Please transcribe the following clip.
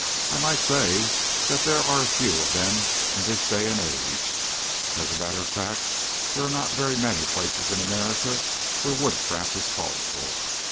I might say that there are few of them in this day and age. And as a matter of fact, there are not very many places in America where woodcraft is called for.